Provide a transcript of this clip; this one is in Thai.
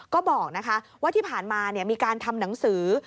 ก็บอกว่าที่ผ่านมามีการทำหนังสือ